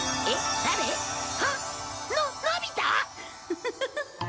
フフフフ。